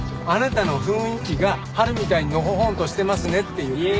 あなたの雰囲気が春みたいにのほほんとしてますねっていう。